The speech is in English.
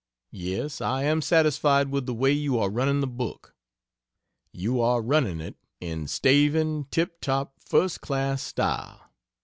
Yes, I am satisfied with the way you are running the book. You are running it in staving, tip top, first class style.